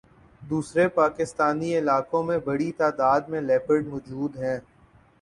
دوسرے پاکستانی علاقوں میں بڑی تعداد میں لیپرڈ موجود ہیں